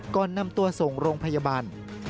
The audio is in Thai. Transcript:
ก่อนนำตัวส่งโรงพยาบาล